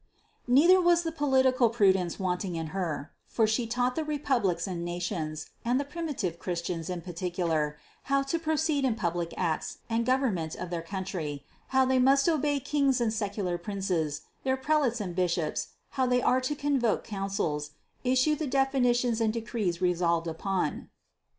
Neither was the political prudence wanting in Her; for She taught the republics and nations, and the 422 CITY OF GOD primitive Christians in particular, how to proceed in pub lic acts and government of their country, how they must obey kings and secular princes, their prelates and bishops, how they are to convoke councils, issue the definitions and decrees resolved upon.